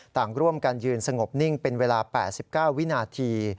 ต่างร่วมกันยืนสงบนิ่งเป็นเวลา๘๙วินาที